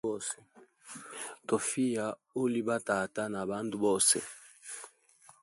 Tofiya uli ba tata na bandu bose.